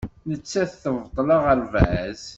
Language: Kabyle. Nettat tebṭel aɣerbaz.